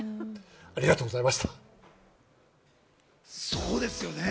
そうですよね。